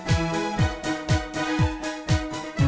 iya terima kasih